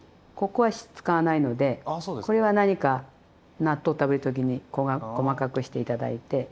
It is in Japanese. ここは使わないのでこれは何か納豆食べる時に細かくして頂いて。